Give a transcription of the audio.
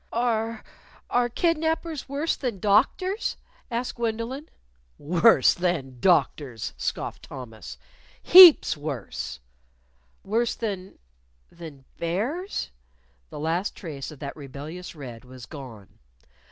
"Are are kidnapers worse than doctors?" asked Gwendolyn. "Worse than doctors!" scoffed Thomas, "Heaps worse." "Worse than than bears?" (The last trace of that rebellious red was gone.)